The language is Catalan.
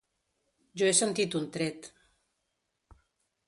Jo he sentit un tret.